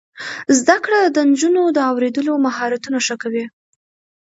زده کړه د نجونو د اوریدلو مهارتونه ښه کوي.